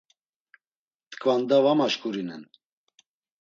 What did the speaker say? T̆ǩvanda var maşǩurinen.